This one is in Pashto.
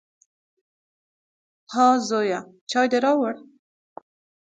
_ها زويه، چای دې راووړ؟